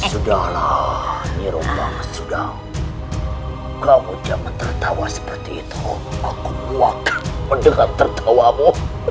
sudahlah nyiru banget sudah kamu jangan tertawa seperti itu aku buah kek mendengar tertawamu